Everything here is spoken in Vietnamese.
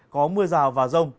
có mưa rào và rông